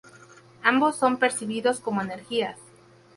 Ambos son percibidos como energías.